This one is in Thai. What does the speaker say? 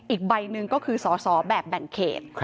อีกใบหนึ่งก็คือสอสอแบบแบ่งเขต